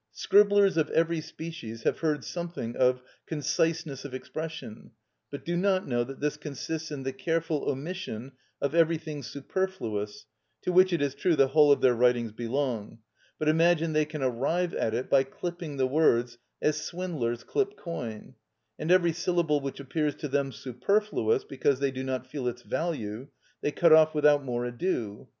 Scribblers of every species have heard something of conciseness of expression, but do not know that this consists in the careful omission of everything superfluous (to which, it is true, the whole of their writings belong), but imagine they can arrive at it by clipping the words as swindlers clip coin; and every syllable which appears to them superfluous, because they do not feel its value, they cut off without more ado.